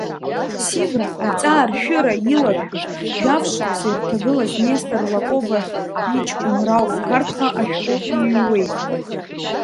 Сибра аҵааршәыра иларшәыз, жәаф шықәса ирҭагылаз Нестор Лакоба иҷкәын Рауф Қарҭҟа ашәҟәы иҩҩуеит…